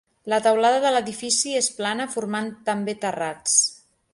La teulada de l'edifici és plana formant també terrats.